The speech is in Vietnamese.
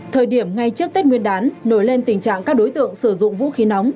thời điểm ngay trước tết nguyên đán nổi lên tình trạng các đối tượng sử dụng vũ khí nóng